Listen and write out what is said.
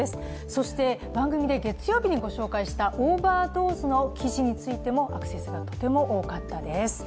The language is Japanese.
そして番組で、月曜日にご紹介したオーバードーズの記事についてもアクセスがとても多かったです。